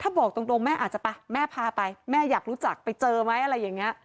ถ้าบอกตรงแม่อาจจะไปแม่พาไปแม่อยากรู้จักไปเจอไหมอะไรอย่างนี้